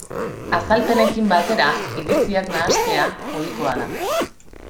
Azalpenekin batera iritziak nahaste ohikoa da.